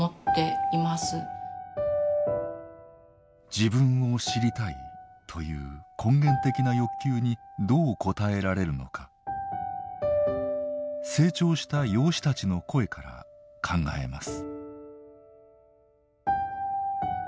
「自分を知りたい」という根源的な欲求にどう応えられるのか成長した養子たちの声から考えます。